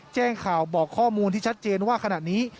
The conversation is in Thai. แจ้งข่าวบอกข้อมูลที่ชัดเจนว่าขณะนี้